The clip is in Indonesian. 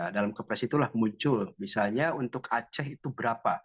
dalam kepres itulah muncul misalnya untuk aceh itu berapa